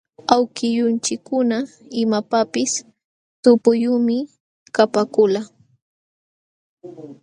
Awkillunchikkuna imapaqpis tupuyuqmi kapaakulqa.